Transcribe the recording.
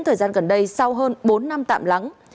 thời gian gần đây sau hơn bốn năm tạm lắng